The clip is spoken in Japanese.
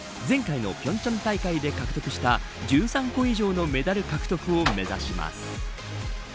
前回の平昌大会で獲得した１３個以上のメダル獲得を目指します。